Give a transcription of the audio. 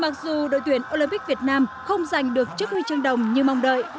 mặc dù đội tuyển olympic việt nam không giành được chiếc huy chương đồng như mong đợi